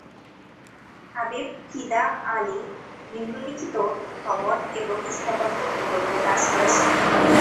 হাবিব ফিদা আলী নিম্নলিখিত ভবন এবং স্থাপত্য প্রকল্পে কাজ করেছেন।